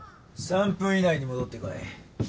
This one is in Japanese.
３分以内に戻ってこい。